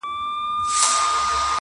زما د ټوله ژوند تعبیر را سره خاندي,